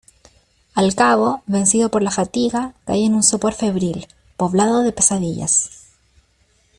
al cabo, vencido por la fatiga , caí en un sopor febril , poblado de pesadillas.